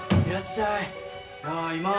いらっしゃい。